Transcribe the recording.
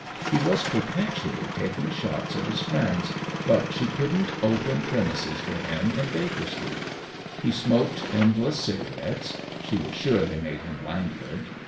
He was perpetually taking shots at his friends, but she couldn't open premises for him in Baker Street. He smoked endless ciga rettes — she was sure they made him languid.